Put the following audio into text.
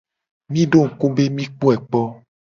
Mi do ngku be mi kpoe kpo.